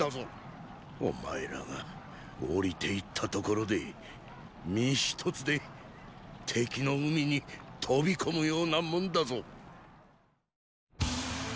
お前らが降りて行ったところで身一つで敵の海に飛び込むようなもんだぞ。